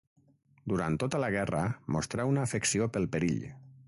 Durant tota la guerra mostrà una afecció pel perill.